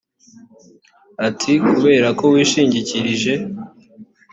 ati kubera ko wishingikirije